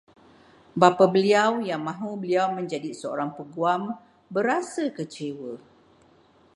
Bapa beliau yang mahu beliau menjadi seorang peguam, berasa kecewa